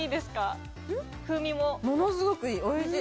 すごくおいしい。